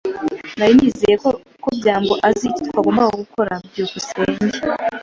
Nari nizeye ko byambo azi icyo twagombaga gukora. byukusenge